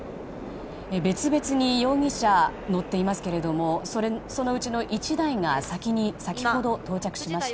別々に容疑者が乗っていますけれどもそのうちの１台が先に先ほど到着しました。